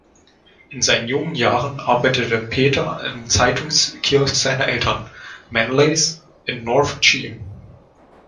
In seinen jungen Jahren arbeitete Peter im Zeitungskiosk seiner Eltern, Manleys, in North Cheam.